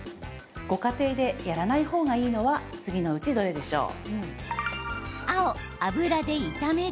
ご家庭でやらない方がいいのは次のうちどれでしょう？